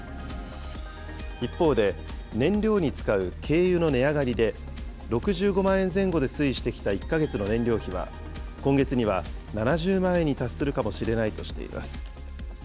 一方で、燃料に使う軽油の値上がりで、６５万円前後で推移してきた１か月の燃料費は、今月には７０万円に達するかもしれないとしています。